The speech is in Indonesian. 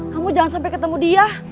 kamu jangan sampai ketemu dia